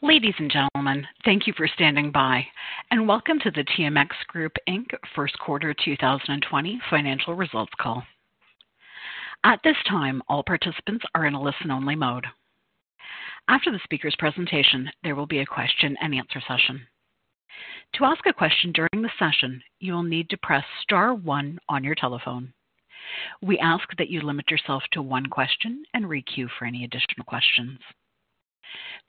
Ladies and gentlemen, thank you for standing by, and welcome to the TMX Group first quarter 2020 financial results call. At this time, all participants are in a listen-only mode. After the speaker's presentation, there will be a question-and-answer session. To ask a question during the session, you will need to press star one on your telephone. We ask that you limit yourself to one question and re-queue for any additional questions.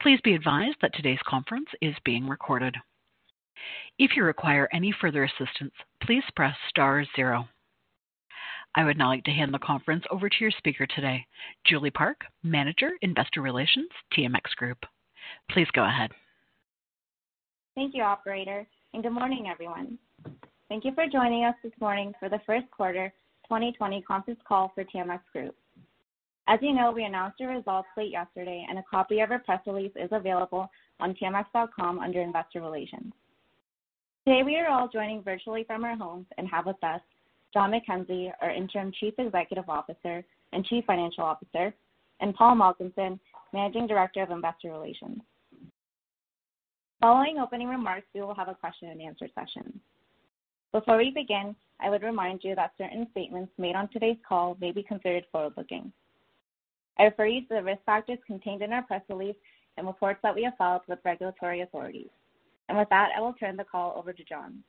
Please be advised that today's conference is being recorded. If you require any further assistance, please press star zero. I would now like to hand the conference over to your speaker today, Julie Park, Manager, Investor Relations, TMX Group. Please go ahead. Thank you, Operator. Good morning, everyone. Thank you for joining us this morning for the first quarter 2020 conference call for TMX Group. As you know, we announced our results late yesterday, and a copy of our press release is available on tmx.com under Investor Relations. Today, we are all joining virtually from our homes and have with us John McKenzie, our Interim Chief Executive Officer and Chief Financial Officer, and Paul Malcolmson, Managing Director of Investor Relations. Following opening remarks, we will have a question-and-answer session. Before we begin, I would remind you that certain statements made on today's call may be considered forward-looking. I refer you to the risk factors contained in our press release and reports that we have filed with regulatory authorities. With that, I will turn the call over to John.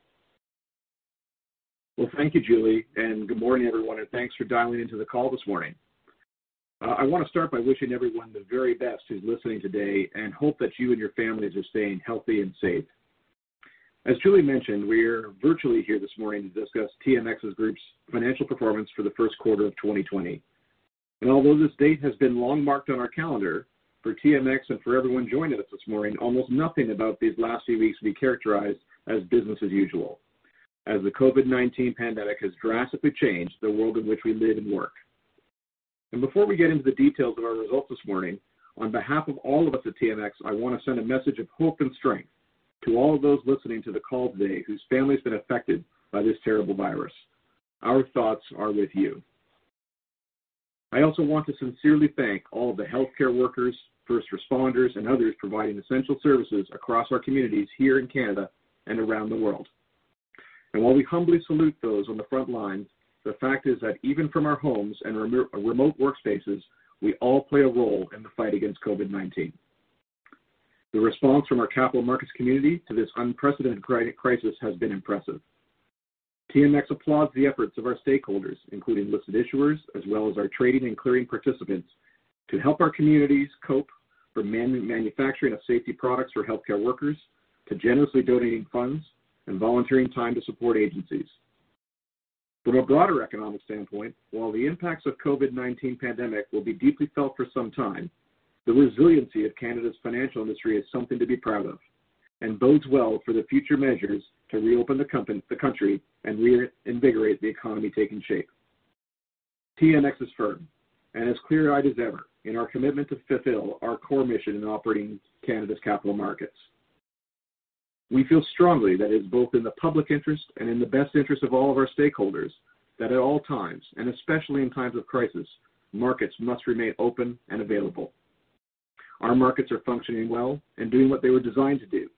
Thank you, Julie. Good morning, everyone, and thanks for dialing into the call this morning. I want to start by wishing everyone the very best who's listening today and hope that you and your families are staying healthy and safe. As Julie mentioned, we are virtually here this morning to discuss TMX Group's financial performance for the first quarter of 2020. Although this date has been long marked on our calendar for TMX and for everyone joining us this morning, almost nothing about these last few weeks would be characterized as business as usual, as the COVID-19 pandemic has drastically changed the world in which we live and work. Before we get into the details of our results this morning, on behalf of all of us at TMX, I want to send a message of hope and strength to all of those listening to the call today whose family has been affected by this terrible virus. Our thoughts are with you. I also want to sincerely thank all of the healthcare workers, first responders, and others providing essential services across our communities here in Canada and around the world. While we humbly salute those on the front lines, the fact is that even from our homes and remote work spaces, we all play a role in the fight against COVID-19. The response from our capital markets community to this unprecedented crisis has been impressive. TMX applauds the efforts of our stakeholders, including listed issuers, as well as our trading and clearing participants, to help our communities cope from manufacturing of safety products for healthcare workers to generously donating funds and volunteering time to support agencies. From a broader economic standpoint, while the impacts of the COVID-19 pandemic will be deeply felt for some time, the resiliency of Canada's financial industry is something to be proud of and bodes well for the future measures to reopen the country and reinvigorate the economy taking shape. TMX is firm and as clear-eyed as ever in our commitment to fulfill our core mission in operating Canada's capital markets. We feel strongly that it is both in the public interest and in the best interest of all of our stakeholders that at all times, and especially in times of crisis, markets must remain open and available. Our markets are functioning well and doing what they were designed to do: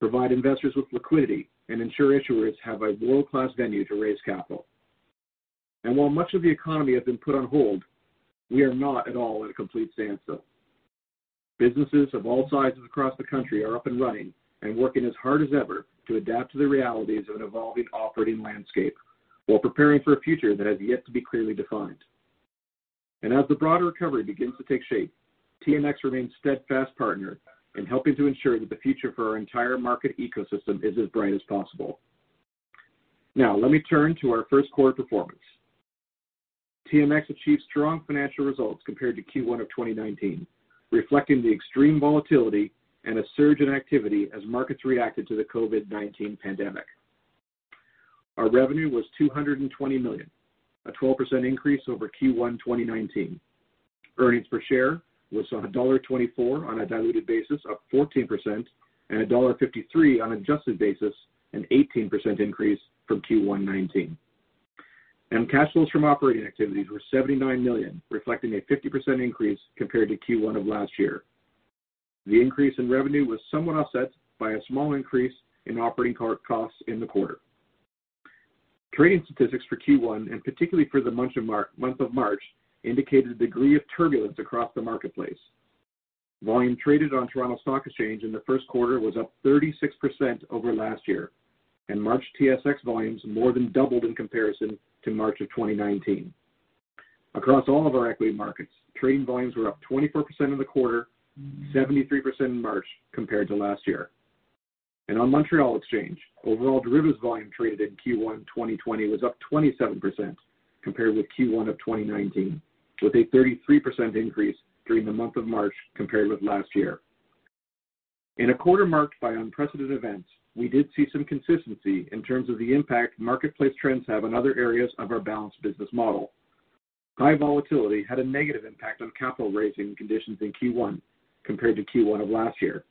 provide investors with liquidity and ensure issuers have a world-class venue to raise capital. While much of the economy has been put on hold, we are not at all at a complete standstill. Businesses of all sizes across the country are up and running and working as hard as ever to adapt to the realities of an evolving operating landscape while preparing for a future that has yet to be clearly defined. As the broader recovery begins to take shape, TMX remains a steadfast partner in helping to ensure that the future for our entire market ecosystem is as bright as possible. Now, let me turn to our first quarter performance. TMX achieved strong financial results compared to Q1 of 2019, reflecting the extreme volatility and a surge in activity as markets reacted to the COVID-19 pandemic. Our revenue was 220 million, a 12% increase over Q1 2019. Earnings per share was dollar 1.24 on a diluted basis, up 14%, and dollar 1.53 on an adjusted basis, an 18% increase from Q1 2019. Cash flows from operating activities were 79 million, reflecting a 50% increase compared to Q1 of last year. The increase in revenue was somewhat offset by a small increase in operating costs in the quarter. Trading statistics for Q1, and particularly for the month of March, indicated a degree of turbulence across the marketplace. Volume traded on Toronto Stock Exchange in the first quarter was up 36% over last year, and March TSX volumes more than doubled in comparison to March of 2019. Across all of our equity markets, trading volumes were up 24% in the quarter, 73% in March compared to last year. On Montréal Exchange, overall derivatives volume traded in Q1 2020 was up 27% compared with Q1 of 2019, with a 33% increase during the month of March compared with last year. In a quarter marked by unprecedented events, we did see some consistency in terms of the impact marketplace trends have on other areas of our balanced business model. High volatility had a negative impact on capital raising conditions in Q1 compared to Q1 of last year.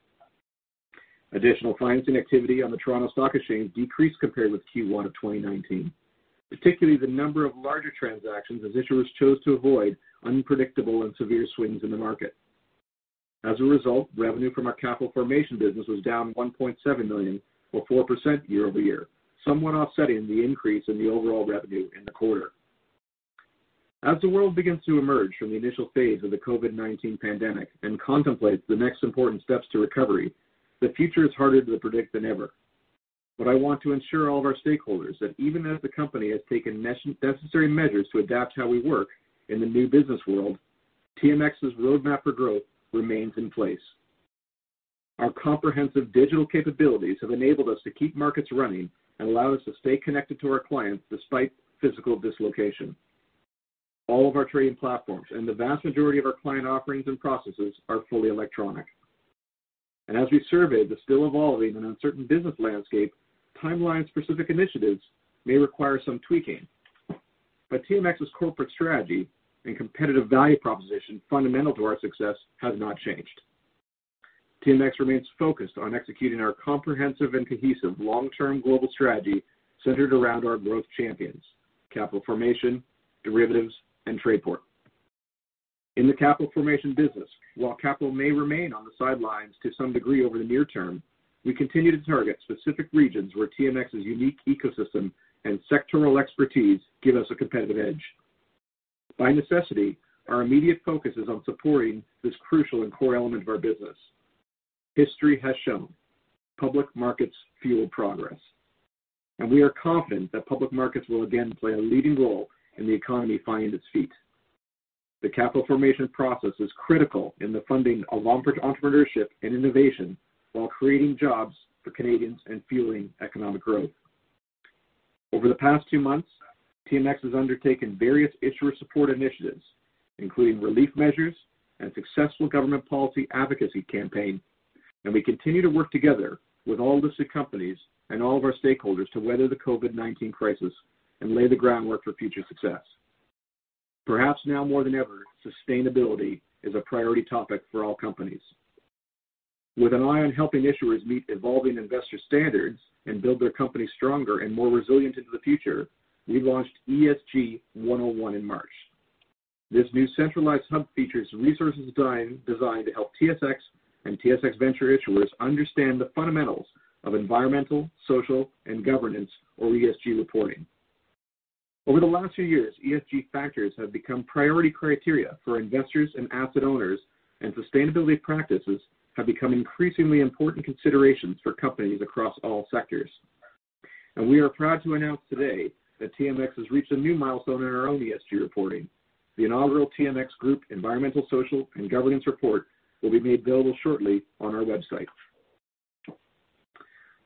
Additional financing activity on Toronto Stock Exchange decreased compared with Q1 of 2019, particularly the number of larger transactions as issuers chose to avoid unpredictable and severe swings in the market. As a result, revenue from our capital formation business was down 1.7 million, or 4% year-over-year, somewhat offsetting the increase in the overall revenue in the quarter. As the world begins to emerge from the initial phase of the COVID-19 pandemic and contemplates the next important steps to recovery, the future is harder to predict than ever. I want to ensure all of our stakeholders that even as the company has taken necessary measures to adapt how we work in the new business world, TMX's roadmap for growth remains in place. Our comprehensive digital capabilities have enabled us to keep markets running and allow us to stay connected to our clients despite physical dislocation. All of our trading platforms and the vast majority of our client offerings and processes are fully electronic. As we survey the still evolving and uncertain business landscape, timeline-specific initiatives may require some tweaking. TMX's corporate strategy and competitive value proposition fundamental to our success has not changed. TMX remains focused on executing our comprehensive and cohesive long-term global strategy centered around our growth champions: capital formation, derivatives, and Trayport. In the capital formation business, while capital may remain on the sidelines to some degree over the near term, we continue to target specific regions where TMX's unique ecosystem and sectoral expertise give us a competitive edge. By necessity, our immediate focus is on supporting this crucial and core element of our business. History has shown public markets fuel progress, and we are confident that public markets will again play a leading role in the economy finding its feet. The capital formation process is critical in the funding of entrepreneurship and innovation while creating jobs for Canadians and fueling economic growth. Over the past two months, TMX has undertaken various issuer support initiatives, including relief measures and successful government policy advocacy campaigns. We continue to work together with all listed companies and all of our stakeholders to weather the COVID-19 crisis and lay the groundwork for future success. Perhaps now more than ever, sustainability is a priority topic for all companies. With an eye on helping issuers meet evolving investor standards and build their companies stronger and more resilient into the future, we launched ESG 101 in March. This new centralized hub features resources designed to help TSX and TSX Venture issuers understand the fundamentals of environmental, social, and governance, or ESG reporting. Over the last few years, ESG factors have become priority criteria for investors and asset owners, and sustainability practices have become increasingly important considerations for companies across all sectors. We are proud to announce today that TMX has reached a new milestone in our own ESG reporting. The inaugural TMX Group environmental, social and governance report will be made available shortly on our website.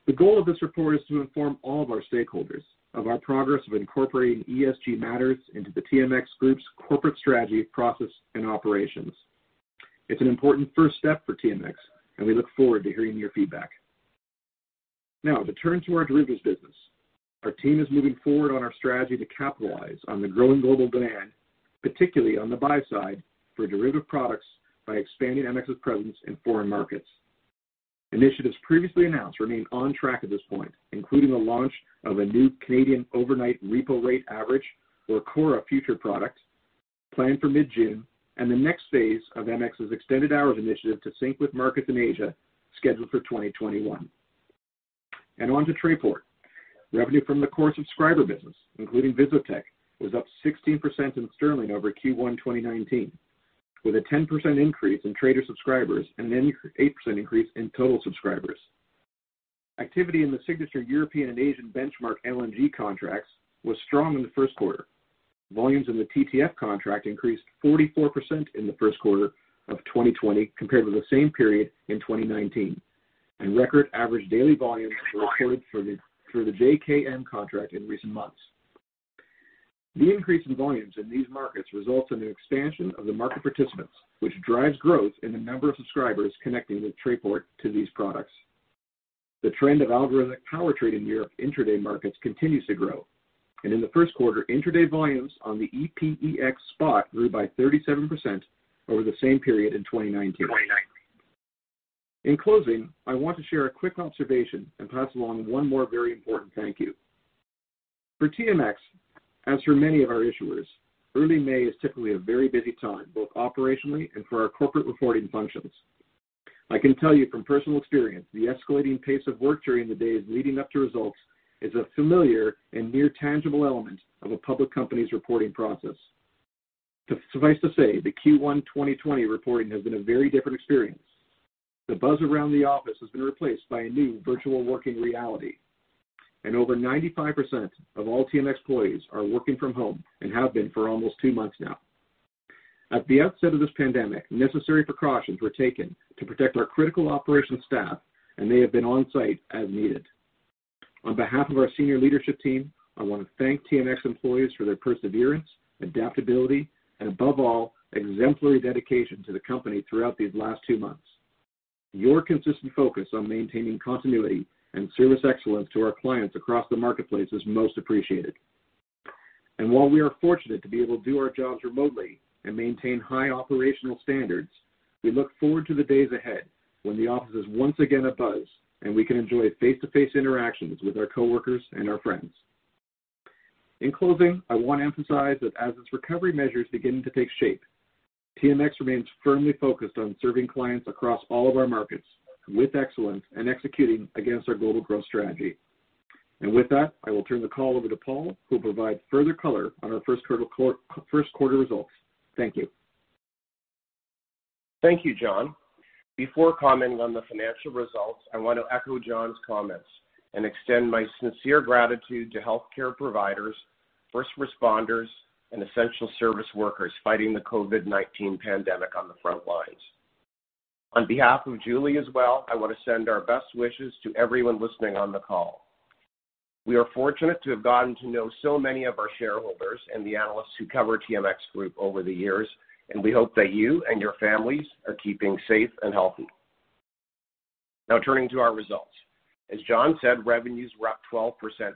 The goal of this report is to inform all of our stakeholders of our progress of incorporating ESG matters into the TMX Group's corporate strategy, process, and operations. It's an important first step for TMX, and we look forward to hearing your feedback. Now, to turn to our derivatives business. Our team is moving forward on our strategy to capitalize on the growing global demand, particularly on the buy side for derivative products by expanding TMX's presence in foreign markets. Initiatives previously announced remain on track at this point, including the launch of a new Canadian overnight repo rate average or CORA future product planned for mid-June, and the next phase of TMX's extended hours initiative to sync with markets in Asia scheduled for 2021. On to Trayport. Revenue from the core subscriber business, including Visotech, was up 16% in Sterling over Q1 2019, with a 10% increase in trader subscribers and an 8% increase in total subscribers. Activity in the signature European and Asian benchmark LNG contracts was strong in the first quarter. Volumes in the TTF contract increased 44% in the first quarter of 2020 compared with the same period in 2019, and record average daily volumes were recorded for the JKM contract in recent months. The increase in volumes in these markets results in an expansion of the market participants, which drives growth in the number of subscribers connecting with Trayport to these products. The trend of algorithmic power trade in New York intraday markets continues to grow. In the first quarter, intraday volumes on the EPEX Spot grew by 37% over the same period in 2019. In closing, I want to share a quick observation and pass along one more very important thank you. For TMX, as for many of our issuers, early May is typically a very busy time, both operationally and for our corporate reporting functions. I can tell you from personal experience, the escalating pace of work during the days leading up to results is a familiar and near tangible element of a public company's reporting process. Suffice to say, the Q1 2020 reporting has been a very different experience. The buzz around the office has been replaced by a new virtual working reality. Over 95% of all TMX employees are working from home and have been for almost two months now. At the outset of this pandemic, necessary precautions were taken to protect our critical operations staff, and they have been on site as needed. On behalf of our senior leadership team, I want to thank TMX employees for their perseverance, adaptability, and above all, exemplary dedication to the company throughout these last two months. Your consistent focus on maintaining continuity and service excellence to our clients across the marketplace is most appreciated. While we are fortunate to be able to do our jobs remotely and maintain high operational standards, we look forward to the days ahead when the office is once again abuzz and we can enjoy face-to-face interactions with our coworkers and our friends. In closing, I want to emphasize that as its recovery measures begin to take shape, TMX remains firmly focused on serving clients across all of our markets with excellence and executing against our global growth strategy. With that, I will turn the call over to Paul, who will provide further color on our first quarter results. Thank you. Thank you, John. Before commenting on the financial results, I want to echo John's comments and extend my sincere gratitude to healthcare providers, first responders, and essential service workers fighting the COVID-19 pandemic on the front lines. On behalf of Julie as well, I want to send our best wishes to everyone listening on the call. We are fortunate to have gotten to know so many of our shareholders and the analysts who cover TMX Group over the years, and we hope that you and your families are keeping safe and healthy. Now, turning to our results. As John said, revenues were up 12%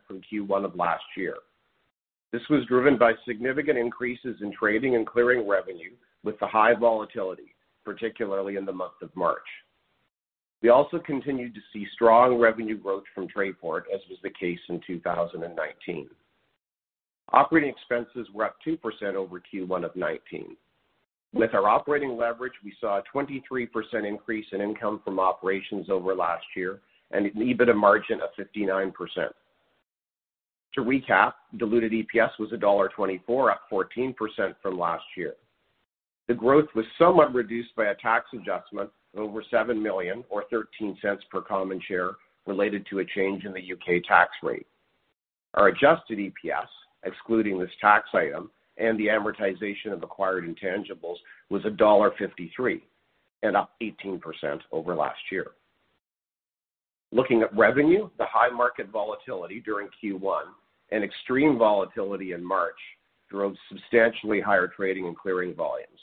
from Q1 of last year. This was driven by significant increases in trading and clearing revenue with the high volatility, particularly in the month of March. We also continued to see strong revenue growth from Trayport, as was the case in 2019. Operating expenses were up 2% over Q1 of 2019. With our operating leverage, we saw a 23% increase in income from operations over last year and an EBITDA margin of 59%. To recap, diluted EPS was dollar 1.24, up 14% from last year. The growth was somewhat reduced by a tax adjustment of over 7 million, or 0.13 per common share, related to a change in the U.K. tax rate. Our adjusted EPS, excluding this tax item and the amortization of acquired intangibles, was dollar 1.53, and up 18% over last year. Looking at revenue, the high market volatility during Q1 and extreme volatility in March drove substantially higher trading and clearing volumes.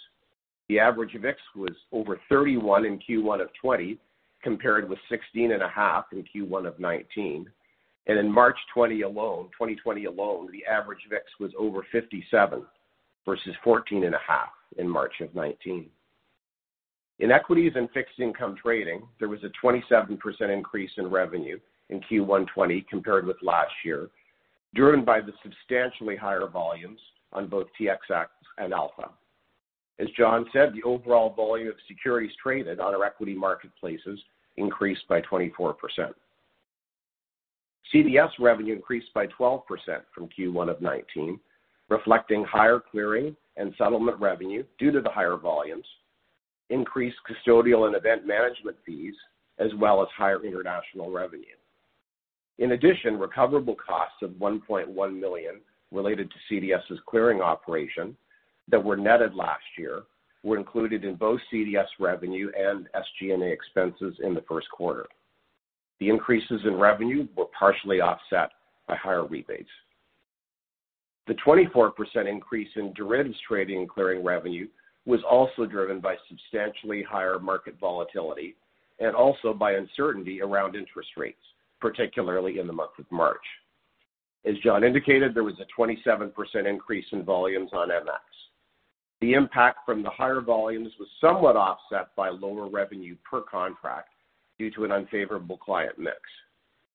The average VIX was over 31 in Q1 of 2020, compared with 16.5 in Q1 of 2019. In March 2020 alone, the average VIX was over 57 versus 14.5 in March of 2019. In equities and fixed income trading, there was a 27% increase in r evenue in Q1 2020 compared with last year, driven by the substantially higher volumes on both TSX and Alpha. As John said, the overall volume of securities traded on our equity marketplaces increased by 24%. CDS revenue increased by 12% from Q1 of 2019, reflecting higher clearing and settlement revenue due to the higher volumes, increased custodial and event management fees, as well as higher international revenue. In addition, recoverable costs of 1.1 million related to CDS's clearing operation that were netted last year were included in both CDS revenue and SG&A expenses in the first quarter. The increases in revenue were partially offset by higher rebates. The 24% increase in derivatives trading and clearing revenue was also driven by substantially higher market volatility and also by uncertainty around interest rates, particularly in the month of March. As John indicated, there was a 27% increase in volumes on MX. The impact from the higher volumes was somewhat offset by lower revenue per contract due to an unfavorable client mix.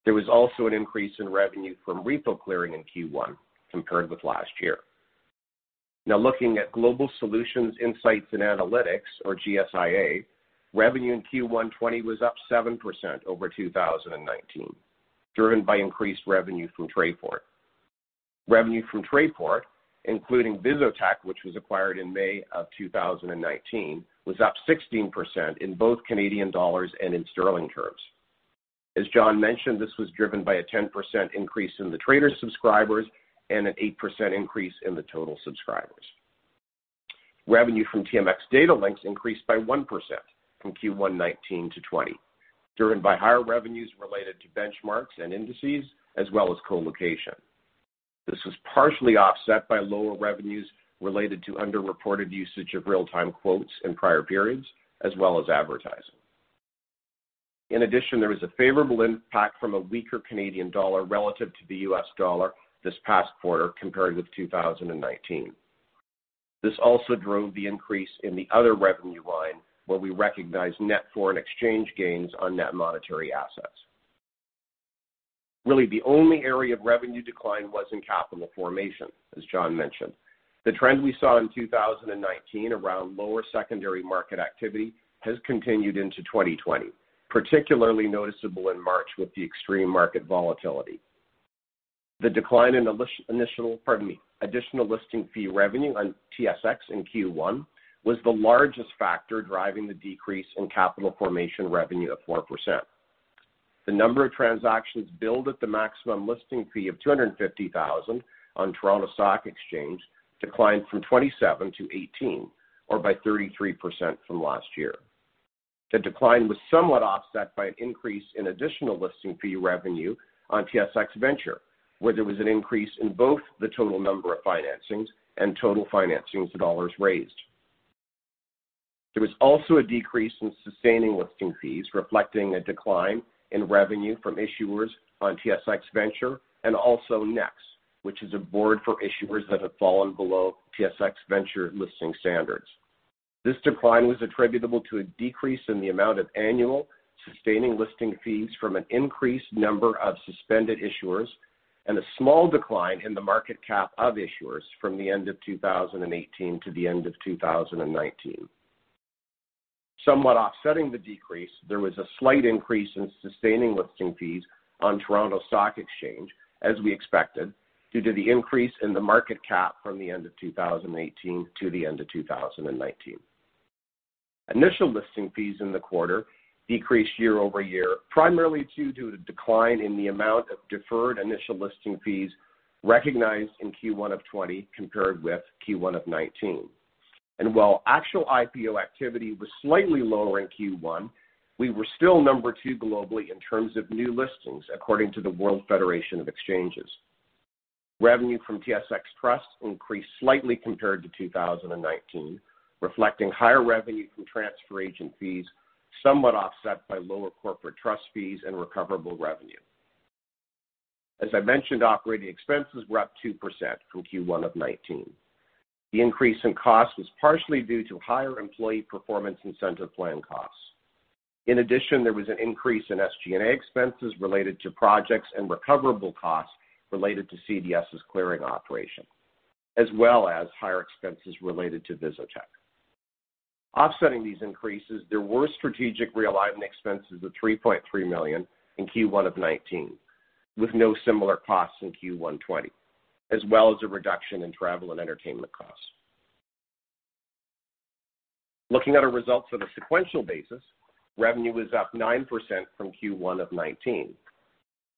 There was also an increase in revenue from repo clearing in Q1 compared with last year. Now, looking at global solutions insights and analytics, or GSIA, revenue in Q1 2020 was up 7% over 2019, driven by increased revenue from Trayport. Revenue from Trayport, including VisoTech, which was acquired in May of 2019, was up 16% in both Canadian dollars and in Sterling terms. As John mentioned, this was driven by a 10% increase in the trader subscribers and an 8% increase in the total subscribers. Revenue from TMX Datalinx increased by 1% from Q1 2019 to 2020, driven by higher revenues related to benchmarks and indices, as well as colocation. This was partially offset by lower revenues related to underreported usage of real-time quotes in prior periods, as well as advertising. In addition, there was a favorable impact from a weaker Canadian dollar relative to the U.S. dollar this past quarter compared with 2019. This also drove the increase in the other revenue line, where we recognize net foreign exchange gains on net monetary assets. Really, the only area of revenue decline was in capital formation, as John mentioned. The trend we saw in 2019 around lower secondary market activity has continued into 2020, particularly noticeable in March with the extreme market volatility. The decline in additional listing fee revenue on TSX in Q1 was the largest factor driving the decrease in capital formation revenue of 4%. The number of transactions billed at the maximum listing fee of 250,000 on Toronto Stock Exchange declined from 27 to 18, or by 33% from last year. The decline was somewhat offset by an increase in additional listing fee revenue on TSX Venture, where there was an increase in both the total number of financings and total financings the dollars raised. There was also a decrease in sustaining listing fees, reflecting a decline in revenue from issuers on TSX Venture and also NEX, which is a board for issuers that have fallen below TSX Venture listing standards. This decline was attributable to a decrease in the amount of annual sustaining listing fees from an increased number of suspended issuers and a small decline in the market cap of issuers from the end of 2018 to the end of 2019. Somewhat offsetting the decrease, there was a slight increase in sustaining listing fees on Toronto Stock Exchange, as we expected, due to the increase in the market cap from the end of 2018 to the end of 2019. Initial listing fees in the quarter decreased year-over-year, primarily due to a decline in the amount of deferred initial listing fees recognized in Q1 of 2020 compared with Q1 of 2019. While actual IPO activity was slightly lower in Q1, we were still number two globally in terms of new listings, according to the World Federation of Exchanges. Revenue from TSX Trust increased slightly compared to 2019, reflecting higher revenue from transfer agent fees, somewhat offset by lower corporate trust fees and recoverable revenue. As I mentioned, operating expenses were up 2% from Q1 of 2019. The increase in cost was partially due to higher employee performance incentive plan costs. In addition, there was an increase in SG&A expenses related to projects and recoverable costs related to CDS's clearing operation, as well as higher expenses related to VisoTech. Offsetting these increases, there were strategic realignment expenses of 3.3 million in Q1 of 2019, with no similar costs in Q1 2020, as well as a reduction in travel and entertainment costs. Looking at our results on a sequential basis, revenue was up 9% from Q1 of 2019,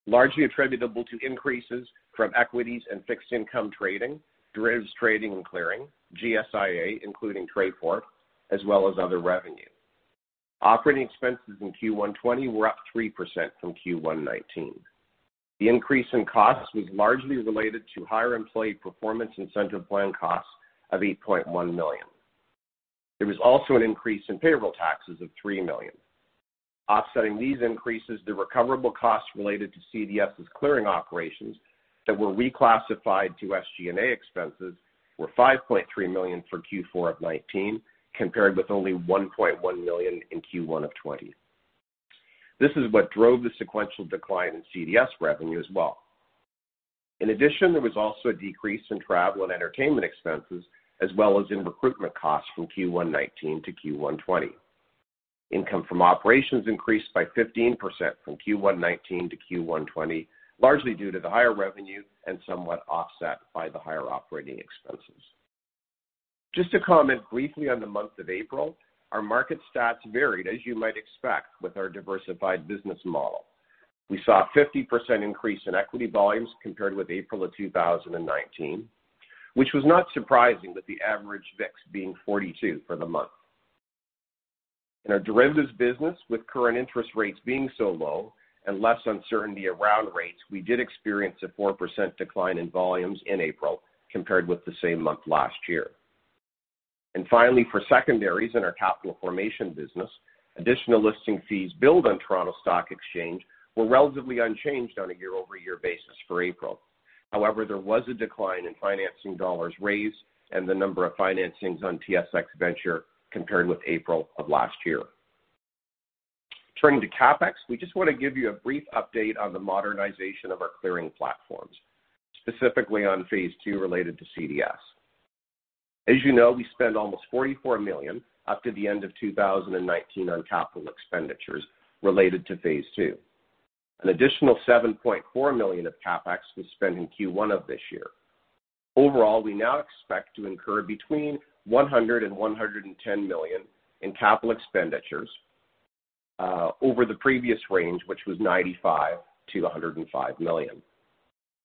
largely attributable to increases from equities and fixed income trading, derivatives trading and clearing, GSIA, including Trayport, as well as other revenue. Operating expenses in Q1 2020 were up 3% from Q1 2019. The increase in costs was largely related to higher employee performance incentive plan costs of 8.1 million. There was also an increase in payroll taxes of 3 million. Offsetting these increases, the recoverable costs related to CDS's clearing operations that were reclassified to SG&A expenses were 5.3 million for Q4 of 2019, compared with only 1.1 million in Q1 of 2020. This is what drove the sequential decline in CDS revenue as well. In addition, there was also a decrease in travel and entertainment expenses, as well as in recruitment costs from Q1 2019 to Q1 2020. Income from operations increased by 15% from Q1 2019 to Q1 2020, largely due to the higher revenue and somewhat offset by the higher operating expenses. Just to comment briefly on the month of April, our market stats varied, as you might expect, with our diversified business model. We saw a 50% increase in equity volumes compared with April of 2019, which was not surprising, with the average VIX being 42 for the month. In our derivatives business, with current interest rates being so low and less uncertainty around rates, we did experience a 4% decline in volumes in April compared with the same month last year. For secondaries in our capital formation business, additional listing fees billed on Toronto Stock Exchange were relatively unchanged on a year-over-year basis for April. However, there was a decline in financing dollars raised and the number of financings on TSX Venture compared with April of last year. Turning to CapEx, we just want to give you a brief update on the modernization of our clearing platforms, specifically on phase II related to CDS. As you know, we spent almost CAD 44 million up to the end of 2019 on capital expenditures related to phase II. An additional 7.4 million of CapEx was spent in Q1 of this year. Overall, we now expect to incur between 100 million-110 million in capital expenditures over the previous range, which was 95 million-105 million.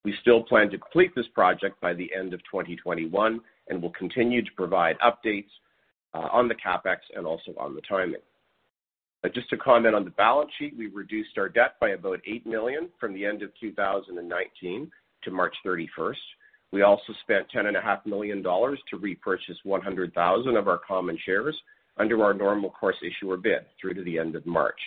We still plan to complete this project by the end of 2021 and will continue to provide updates on the CapEx and also on the timing. Just to comment on the balance sheet, we reduced our debt by about 8 million from the end of 2019 to March 31st. We also spent 10.5 million dollars to repurchase 100,000 of our common shares under our normal course issuer bid through to the end of March.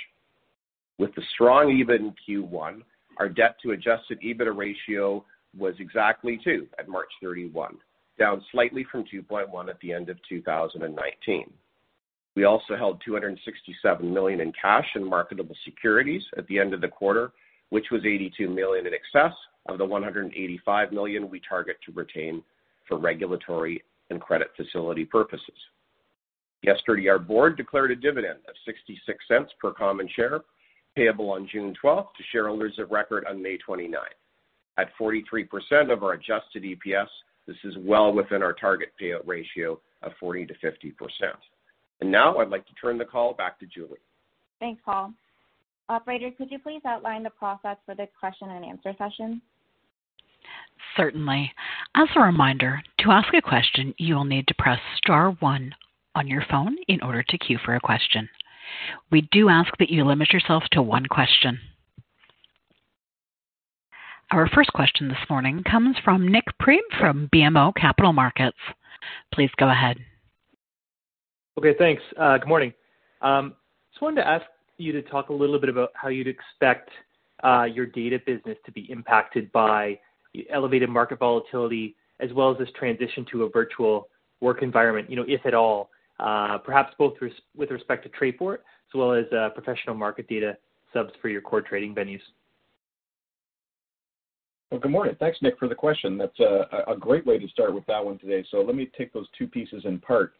With the strong EBITDA in Q1, our debt-to-adjusted EBITDA ratio was exactly 2 at March 31, down slightly from 2.1 at the end of 2019. We also held CAD 267 million in cash and marketable securities at the end of the quarter, which was CAD 82 million in excess of the CAD 185 million we target to retain for regulatory and credit facility purposes. Yesterday, our board declared a dividend of 0.66 per common share payable on June 12th to shareholders of record on May 29th. At 43% of our adjusted EPS, this is well within our target payout ratio of 40-50%. I would now like to turn the call back to Julie. Thanks, Paul. Operator, could you please outline the process for the question-and-answer session? Certainly. As a reminder, to ask a question, you will need to press star one on your phone in order to queue for a question. We do ask that you limit yourself to one question. Our first question this morning comes from Nik Priebe from BMO Capital Markets. Please go ahead. Okay, thanks. Good morning. I just wanted to ask you to talk a little bit about how you'd expect your data business to be impacted by elevated market volatility, as well as this transition to a virtual work environment, if at all, perhaps both with respect to Trayport as well as professional market data subs for your core trading venues. Good morning. Thanks, Nick, for the question. That's a great way to start with that one today. Let me take those two pieces in part.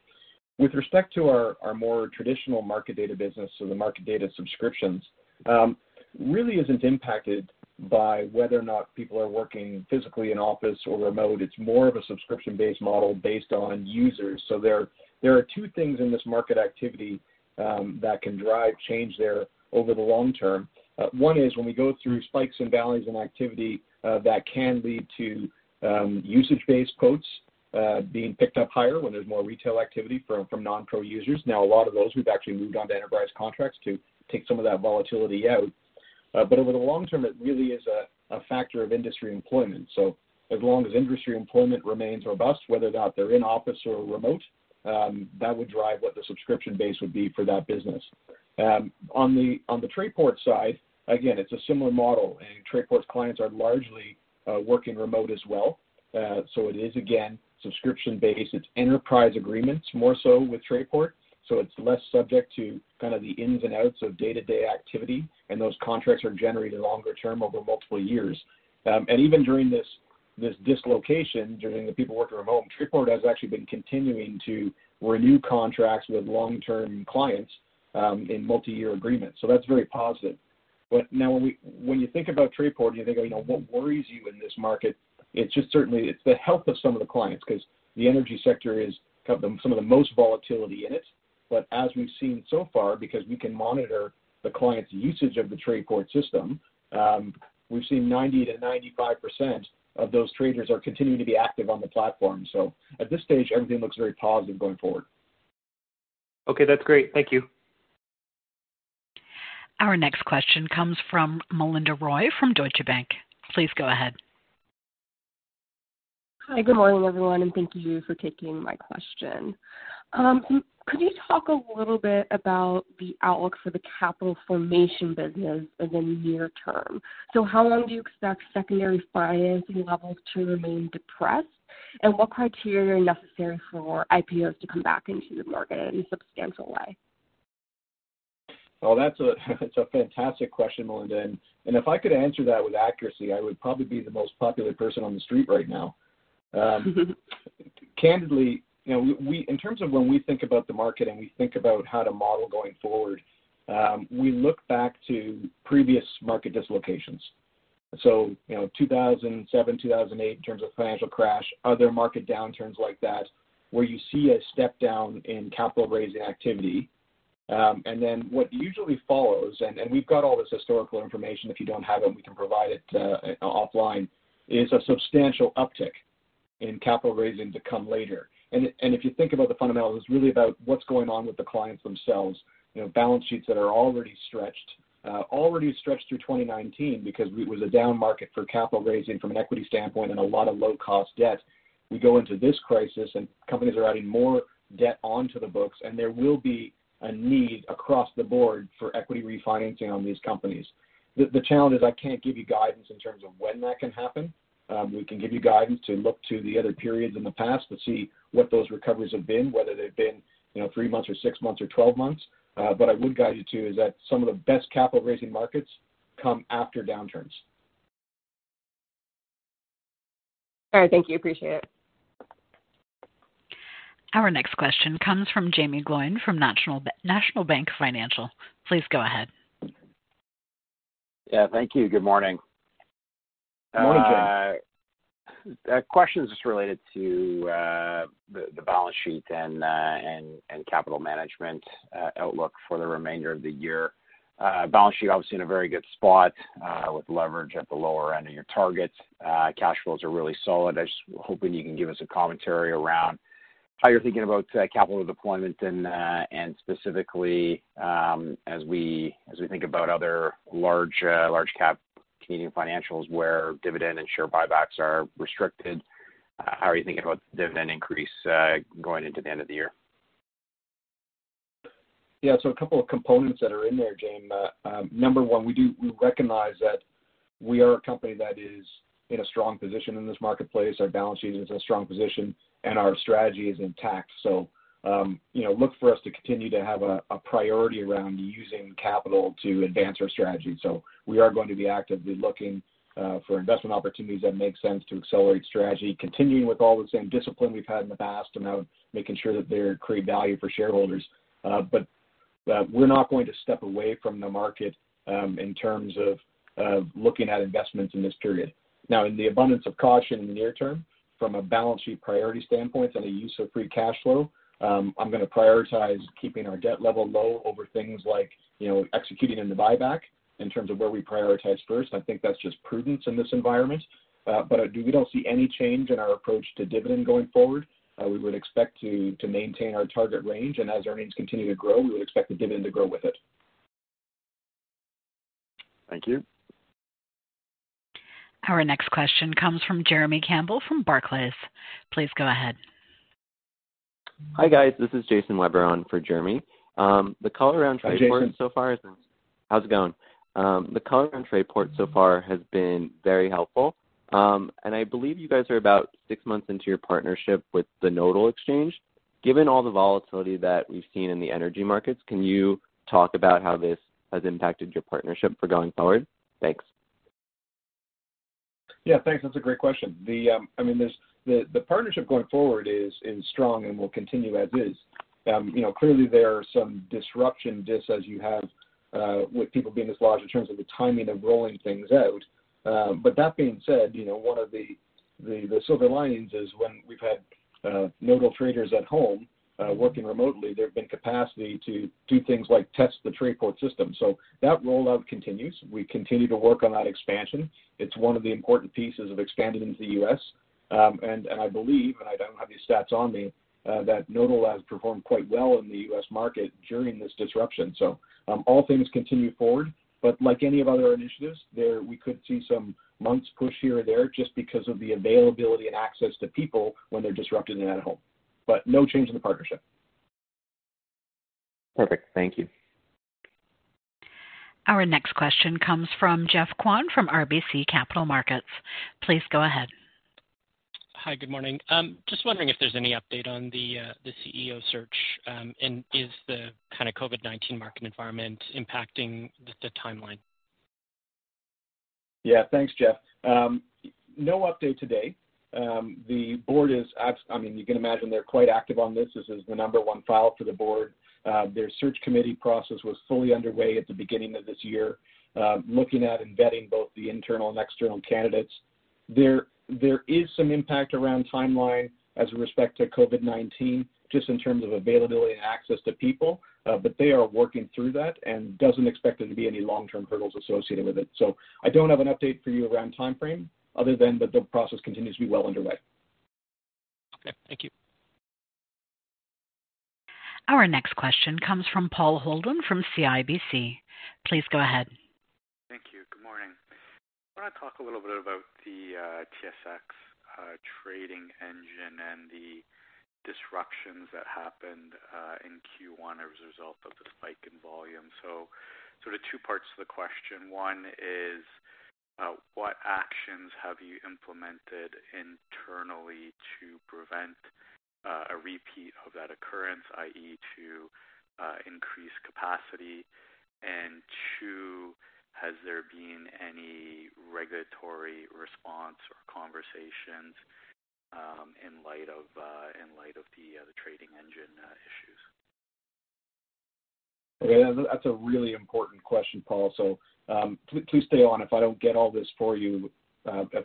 With respect to our more traditional market data business, the market data subscriptions really isn't impacted by whether or not people are working physically in office or remote. It's more of a subscription-based model based on users. There are two things in this market activity that can drive change there over the long term. One is when we go through spikes and valleys in activity that can lead to usage-based quotes being picked up higher when there's more retail activity from non-pro users. A lot of those we've actually moved on to enterprise contracts to take some of that volatility out. Over the long term, it really is a factor of industry employment. As long as industry employment remains robust, whether or not they're in office or remote, that would drive what the subscription base would be for that business. On the Trayport side, again, it's a similar model, and Trayport's clients are largely working remote as well. It is, again, subscription-based. It's enterprise agreements more so with Trayport, so it's less subject to kind of the ins and outs of day-to-day activity, and those contracts are generated longer term over multiple years. Even during this dislocation, during the people working remote, Trayport has actually been continuing to renew contracts with long-term clients in multi-year agreements. That is very positive. Now, when you think about Trayport, you think, "What worries you in this market?" It's just certainly the health of some of the clients because the energy sector has some of the most volatility in it. As we've seen so far, because we can monitor the client's usage of the Trayport system, we've seen 90-95% of those traders are continuing to be active on the platform. At this stage, everything looks very positive going forward. Okay, that's great. Thank you. Our next question comes from Melinda Roy from Deutsche Bank. Please go ahead. Hi, good morning, everyone, and thank you for taking my question. Could you talk a little bit about the outlook for the capital formation business in the near term? How long do you expect secondary financing levels to remain depressed, and what criteria are necessary for IPOs to come back into the market in a substantial way? That is a fantastic question, Melinda. If I could answer that with accuracy, I would probably be the most popular person on the street right now. Candidly, in terms of when we think about the market and we think about how to model going forward, we look back to previous market dislocations. 2007, 2008, in terms of financial crash, other market downturns like that, where you see a step down in capital raising activity. What usually follows, and we have all this historical information. If you do not have it, we can provide it offline, is a substantial uptick in capital raising to come later. If you think about the fundamentals, it's really about what's going on with the clients themselves, balance sheets that are already stretched, already stretched through 2019 because it was a down market for capital raising from an equity standpoint and a lot of low-cost debt. We go into this crisis, and companies are adding more debt onto the books, and there will be a need across the board for equity refinancing on these companies. The challenge is I can't give you guidance in terms of when that can happen. We can give you guidance to look to the other periods in the past to see what those recoveries have been, whether they've been three months or six months or twelve months. What I would guide you to is that some of the best capital raising markets come after downturns. All right. Thank you. Appreciate it. Our next question comes from Jaeme Gloyn from National Bank Financial. Please go ahead. Yeah, thank you. Good morning. Good morning, Jamie. Questions just related to the balance sheet and capital management outlook for the remainder of the year. Balance sheet, obviously, in a very good spot with leverage at the lower end of your targets. Cash flows are really solid. I was hoping you can give us a commentary around how you're thinking about capital deployment and specifically as we think about other large-cap Canadian financials where dividend and share buybacks are restricted. How are you thinking about dividend increase going into the end of the year? Yeah, so a couple of components that are in there, James. Number one, we recognize that we are a company that is in a strong position in this marketplace. Our balance sheet is in a strong position, and our strategy is intact. Look for us to continue to have a priority around using capital to advance our strategy. We are going to be actively looking for investment opportunities that make sense to accelerate strategy, continuing with all the same discipline we've had in the past and making sure that they create value for shareholders. We are not going to step away from the market in terms of looking at investments in this period. Now, in the abundance of caution in the near term, from a balance sheet priority standpoint and a use of free cash flow, I'm going to prioritize keeping our debt level low over things like executing in the buyback in terms of where we prioritize first. I think that's just prudence in this environment. We do not see any change in our approach to dividend going forward. We would expect to maintain our target range, and as earnings continue to grow, we would expect the dividend to grow with it. Thank you. Our next question comes from Jeremy Campbell from Barclays. Please go ahead. Hi guys. This is Jason Weber on for Jeremy. The call around Trayport so far has been—how's it going? The call around Trayport so far has been very helpful. I believe you guys are about six months into your partnership with the Nodal Exchange. Given all the volatility that we've seen in the energy markets, can you talk about how this has impacted your partnership for going forward? Thanks. Yeah, thanks. That's a great question. I mean, the partnership going forward is strong and will continue as is. Clearly, there are some disruptions as you have with people being dislodged in terms of the timing of rolling things out. That being said, one of the silver linings is when we've had Nodal traders at home working remotely, there's been capacity to do things like test the Trayport system. That rollout continues. We continue to work on that expansion. It's one of the important pieces of expanding into the U.S. I believe, and I don't have these stats on me, that Nodal has performed quite well in the U.S. market during this disruption. All things continue forward. Like any of other initiatives, we could see some months push here or there just because of the availability and access to people when they're disrupted and at home. No change in the partnership. Perfect. Thank you. Our next question comes from Geoff Kwan from RBC Capital Markets. Please go ahead. Hi, good morning. Just wondering if there's any update on the CEO search and is the kind of COVID-19 market environment impacting the timeline? Yeah, thanks, Jeff. No update today. The board is, I mean, you can imagine they're quite active on this. This is the number one file for the board. Their search committee process was fully underway at the beginning of this year, looking at embedding both the internal and external candidates. There is some impact around timeline as we respect to COVID-19, just in terms of availability and access to people, but they are working through that and don't expect there to be any long-term hurdles associated with it. I don't have an update for you around timeframe other than that the process continues to be well underway. Okay, thank you. Our next question comes from Paul Holden from CIBC. Please go ahead. Thank you. Good morning. I want to talk a little bit about the TSX trading engine and the disruptions that happened in Q1 as a result of the spike in volume. Two parts to the question. One is, what actions have you implemented internally to prevent a repeat of that occurrence, i.e., to increase capacity? Two, has there been any regulatory response or conversations in light of the trading engine issues? That's a really important question, Paul. Please stay on. If I do not get all this for you,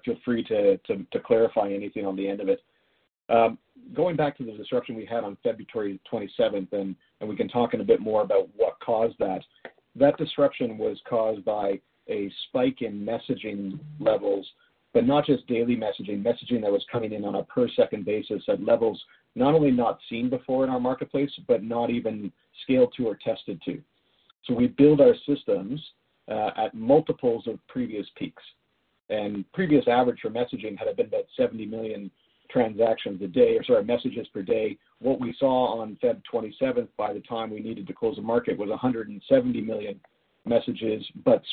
feel free to clarify anything at the end of it. Going back to the disruption we had on February 27th, and we can talk a bit more about what caused that. That disruption was caused by a spike in messaging levels, not just daily messaging. Messaging that was coming in on a per-second basis at levels not only not seen before in our marketplace, but not even scaled to or tested to. We build our systems at multiples of previous peaks. Previous average for messaging had been about 70 million transactions a day, or, sorry, messages per day. What we saw on February 27th by the time we needed to close the market was 170 million messages,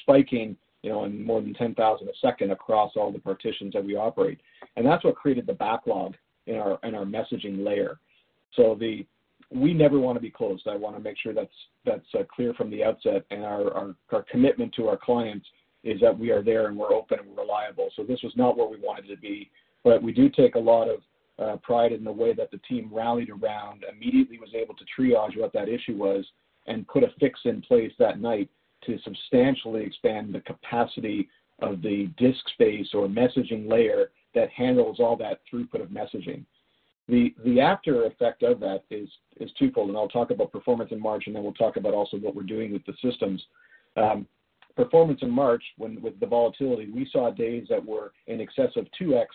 spiking in more than 10,000 a second across all the partitions that we operate. That is what created the backlog in our messaging layer. We never want to be closed. I want to make sure that is clear from the outset. Our commitment to our clients is that we are there and we are open and we are reliable. This was not where we wanted to be. We do take a lot of pride in the way that the team rallied around, immediately was able to triage what that issue was, and put a fix in place that night to substantially expand the capacity of the disk space or messaging layer that handles all that throughput of messaging. The after-effect of that is twofold. I'll talk about performance in March, and then we'll talk about also what we're doing with the systems. Performance in March, with the volatility, we saw days that were in excess of 2x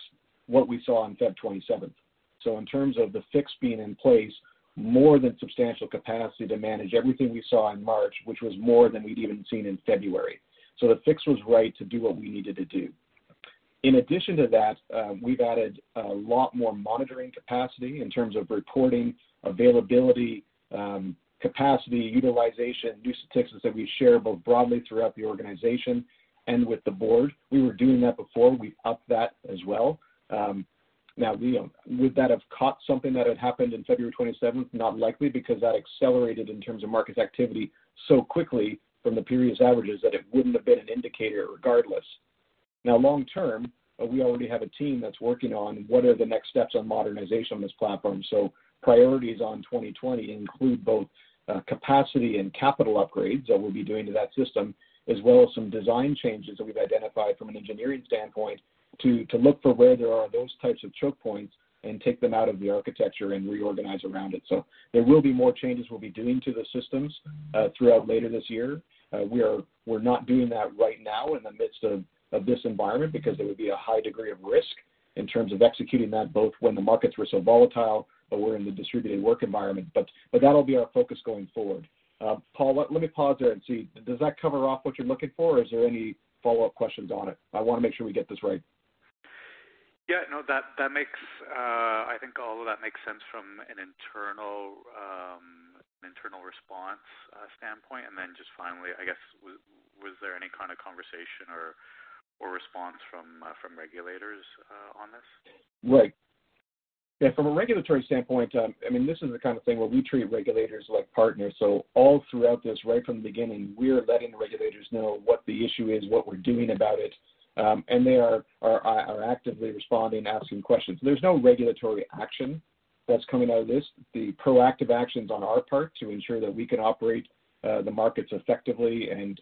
what we saw on February 27th. In terms of the fix being in place, more than substantial capacity to manage everything we saw in March, which was more than we'd even seen in February. The fix was right to do what we needed to do. In addition to that, we've added a lot more monitoring capacity in terms of reporting availability, capacity utilization, new statistics that we share both broadly throughout the organization and with the board. We were doing that before. We upped that as well. Now, would that have caught something that had happened in February 27th? Not likely, because that accelerated in terms of market activity so quickly from the previous averages that it would not have been an indicator regardless. Now, long term, we already have a team that is working on what are the next steps on modernization on this platform. Priorities on 2020 include both capacity and capital upgrades that we will be doing to that system, as well as some design changes that we have identified from an engineering standpoint to look for where there are those types of choke points and take them out of the architecture and reorganize around it. There will be more changes we will be doing to the systems throughout later this year. We're not doing that right now in the midst of this environment because there would be a high degree of risk in terms of executing that both when the markets were so volatile or in the distributed work environment. That'll be our focus going forward. Paul, let me pause there and see. Does that cover off what you're looking for, or is there any follow-up questions on it? I want to make sure we get this right. Yeah, no, that makes—I think all of that makes sense from an internal response standpoint. Finally, I guess, was there any kind of conversation or response from regulators on this? Right. Yeah, from a regulatory standpoint, I mean, this is the kind of thing where we treat regulators like partners. All throughout this, right from the beginning, we're letting the regulators know what the issue is, what we're doing about it, and they are actively responding, asking questions. There's no regulatory action that's coming out of this. The proactive actions on our part to ensure that we can operate the markets effectively and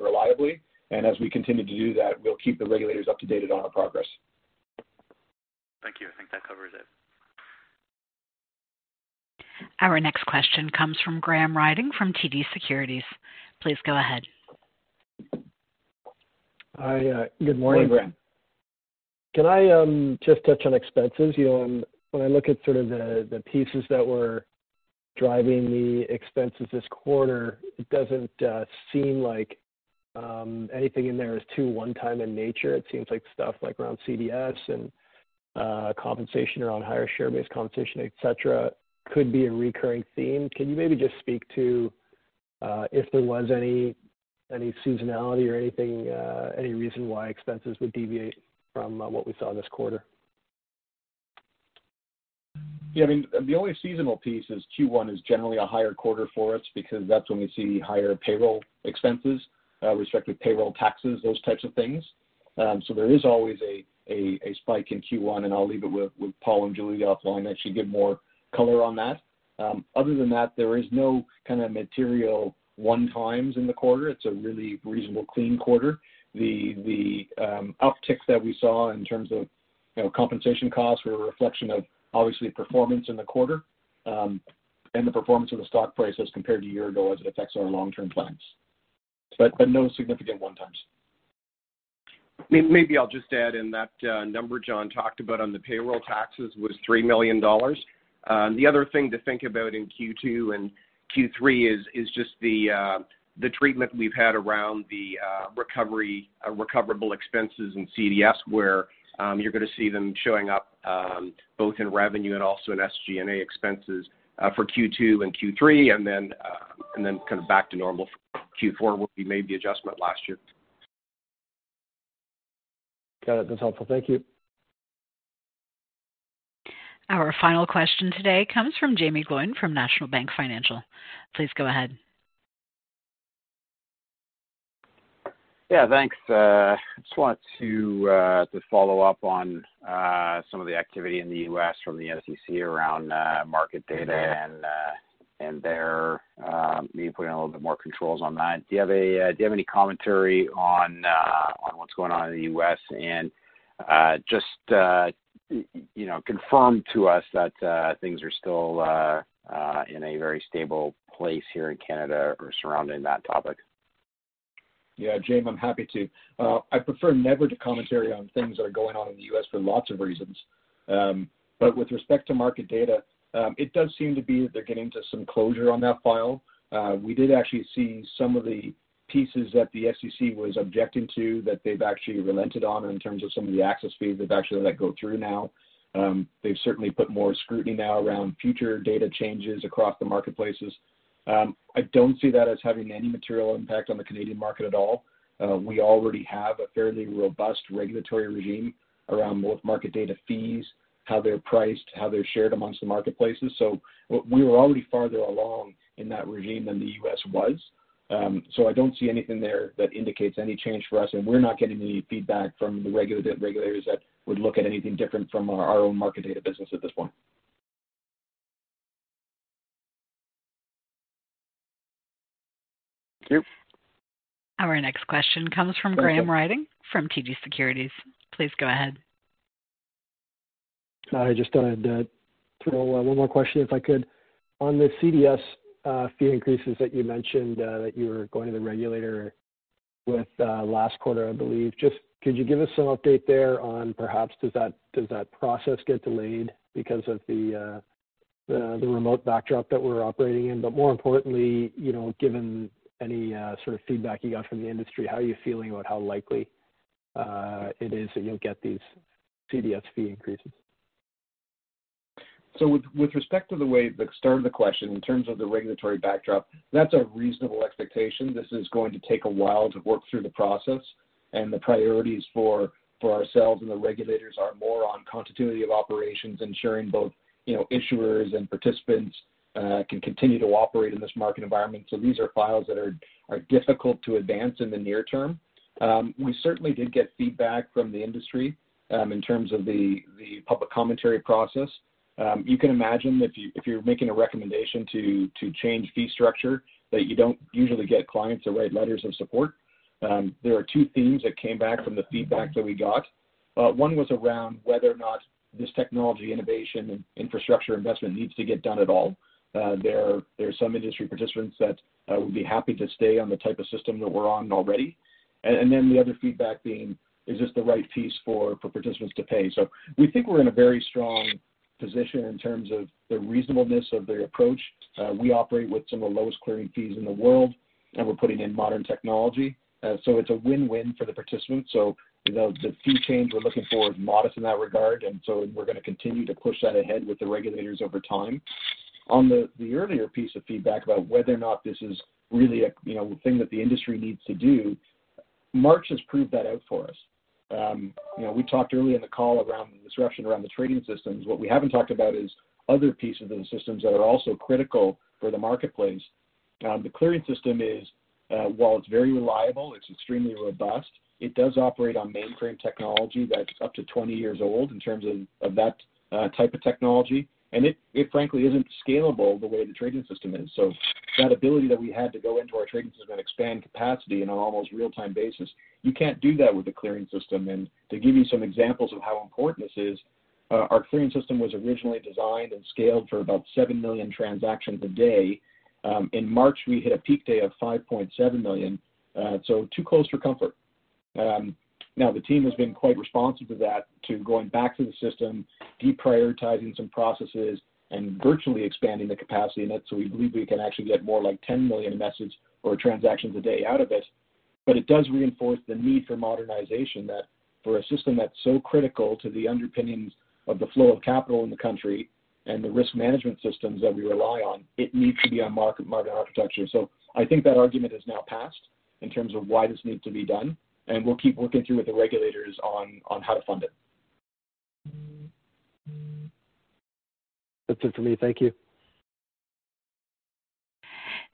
reliably. As we continue to do that, we'll keep the regulators up to date on our progress. Thank you. I think that covers it. Our next question comes from Graham Ryding from TD Securities. Please go ahead. Good morning, Graham. Can I just touch on expenses? When I look at sort of the pieces that were driving the expenses this quarter, it does not seem like anything in there is too one-time in nature. It seems like stuff like around CDS and compensation around higher share-based compensation, etc., could be a recurring theme. Can you maybe just speak to if there was any seasonality or any reason why expenses would deviate from what we saw this quarter? Yeah, I mean, the only seasonal piece is Q1 is generally a higher quarter for us because that's when we see higher payroll expenses with respect to payroll taxes, those types of things. There is always a spike in Q1, and I'll leave it with Paul and Julie offline to actually give more color on that. Other than that, there is no kind of material one-times in the quarter. It's a really reasonable, clean quarter. The uptick that we saw in terms of compensation costs was a reflection of, obviously, performance in the quarter and the performance of the stock price as compared to a year ago as it affects our long-term plans. No significant one-times. Maybe I'll just add in that number John talked about on the payroll taxes was 3 million dollars. The other thing to think about in Q2 and Q3 is just the treatment we've had around the recoverable expenses in CDS, where you're going to see them showing up both in revenue and also in SG&A expenses for Q2 and Q3, and then kind of back to normal for Q4 when we made the adjustment last year. Got it. That's helpful. Thank you. Our final question today comes from Jaeme Gloyn from National Bank Financial. Please go ahead. Yeah, thanks. I just wanted to follow up on some of the activity in the U.S. from the NCC around market data and they're maybe putting a little bit more controls on that. Do you have any commentary on what's going on in the U.S. and just confirm to us that things are still in a very stable place here in Canada or surrounding that topic? Yeah, James, I'm happy to. I prefer never to commentary on things that are going on in the U.S. for lots of reasons. With respect to market data, it does seem to be that they're getting to some closure on that file. We did actually see some of the pieces that the SEC was objecting to that they've actually relented on in terms of some of the access fees that actually let go through now. They've certainly put more scrutiny now around future data changes across the marketplaces. I don't see that as having any material impact on the Canadian market at all. We already have a fairly robust regulatory regime around both market data fees, how they're priced, how they're shared amongst the marketplaces. We were already farther along in that regime than the U.S. was. I don't see anything there that indicates any change for us, and we're not getting any feedback from the regulators that would look at anything different from our own market data business at this point. Thank you. Our next question comes from Graham Ryding from TD Securities. Please go ahead. I just wanted to throw one more question if I could. On the CDS fee increases that you mentioned that you were going to the regulator with last quarter, I believe, just could you give us some update there on perhaps does that process get delayed because of the remote backdrop that we're operating in? More importantly, given any sort of feedback you got from the industry, how are you feeling about how likely it is that you'll get these CDS fee increases? With respect to the way that started the question, in terms of the regulatory backdrop, that's a reasonable expectation. This is going to take a while to work through the process. The priorities for ourselves and the regulators are more on continuity of operations, ensuring both issuers and participants can continue to operate in this market environment. These are files that are difficult to advance in the near term. We certainly did get feedback from the industry in terms of the public commentary process. You can imagine if you're making a recommendation to change fee structure that you don't usually get clients to write letters of support. There are two themes that came back from the feedback that we got. One was around whether or not this technology innovation and infrastructure investment needs to get done at all. There are some industry participants that would be happy to stay on the type of system that we're on already. The other feedback being, is this the right piece for participants to pay? We think we're in a very strong position in terms of the reasonableness of the approach. We operate with some of the lowest clearing fees in the world, and we're putting in modern technology. It is a win-win for the participants. The fee change we're looking for is modest in that regard. We are going to continue to push that ahead with the regulators over time. On the earlier piece of feedback about whether or not this is really a thing that the industry needs to do, March has proved that out for us. We talked early in the call around the disruption around the trading systems. What we have not talked about is other pieces of the systems that are also critical for the marketplace. The clearing system is, while it is very reliable, it is extremely robust. It does operate on mainframe technology that is up to 20 years old in terms of that type of technology. It, frankly, is not scalable the way the trading system is. That ability that we had to go into our trading system and expand capacity on an almost real-time basis, you cannot do that with the clearing system. To give you some examples of how important this is, our clearing system was originally designed and scaled for about 7 million transactions a day. In March, we hit a peak day of 5.7 million. Too close for comfort. Now, the team has been quite responsive to that, to going back to the system, deprioritizing some processes, and virtually expanding the capacity in it. We believe we can actually get more like 10 million messages or transactions a day out of it. It does reinforce the need for modernization that for a system that's so critical to the underpinnings of the flow of capital in the country and the risk management systems that we rely on, it needs to be on market architecture. I think that argument has now passed in terms of why this needs to be done. We'll keep working through with the regulators on how to fund it. That's it for me. Thank you.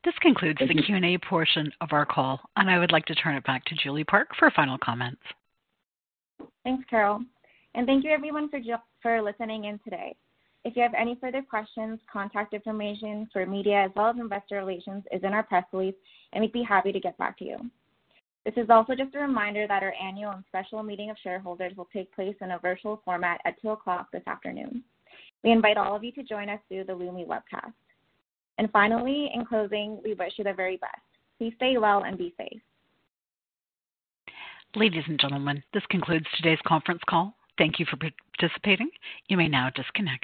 This concludes the Q&A portion of our call. I would like to turn it back to Julie Park for final comments. Thanks, Carol. Thank you, everyone, for listening in today. If you have any further questions, contact information for media as well as investor relations is in our press release, and we'd be happy to get back to you. This is also just a reminder that our annual and special meeting of shareholders will take place in a virtual format at 2:00 P.M. this afternoon. We invite all of you to join us through the Loomi webcast. Finally, in closing, we wish you the very best. Please stay well and be safe. Ladies and gentlemen, this concludes today's conference call. Thank you for participating. You may now disconnect.